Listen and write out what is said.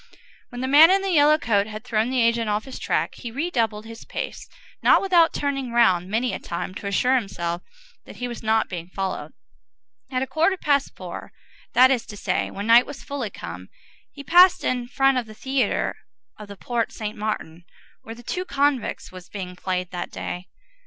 When the man in the yellow coat had thrown the agent off his track, he redoubled his pace, not without turning round many a time to assure himself that he was not being followed. At a quarter past four, that is to say, when night was fully come, he passed in front of the theatre of the Porte Saint Martin, where The Two Convicts was being played that day.